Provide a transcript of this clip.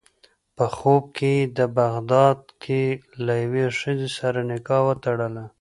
په خوب کې یې په بغداد کې له یوې ښځې سره نکاح وتړله.